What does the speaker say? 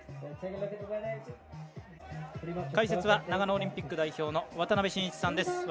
解説は長野オリンピック代表の渡辺伸一さんです。